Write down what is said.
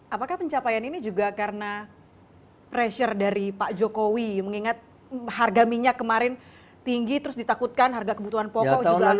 apakah pencapaian ini juga karena pressure dari pak jokowi mengingat harga minyak kemarin tinggi terus ditakutkan harga kebutuhan pokok juga naik